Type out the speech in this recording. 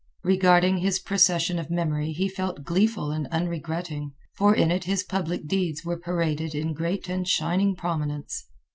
Regarding his procession of memory he felt gleeful and unregretting, for in it his public deeds were paraded in great and shining prominence.